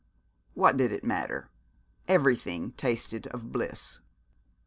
What did it matter? Everything tasted of bliss.